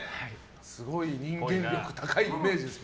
すごい人間力が高いイメージです。